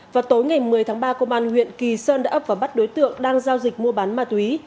vào tối ngày một mươi tháng ba công an huyện kỳ sơn đã ập và bắt đối tượng đang giao dịch mua bán ma túy